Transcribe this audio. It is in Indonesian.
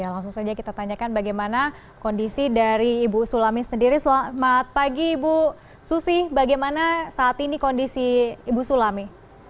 langsung saja kita tanyakan bagaimana kondisi dari ibu sulami sendiri selamat pagi ibu susi bagaimana saat ini kondisi ibu sulami